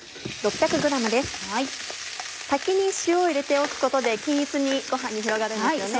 先に塩を入れておくことで均一にご飯に広がるんですよね。